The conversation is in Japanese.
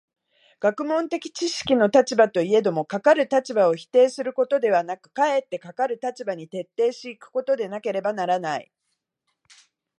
学問的知識の立場といえども、かかる立場を否定することではなく、かえってかかる立場に徹底し行くことでなければならない。